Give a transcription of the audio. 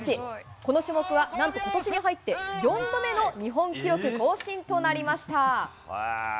この種目はなんと、ことしに入って４度目の日本記録更新となりま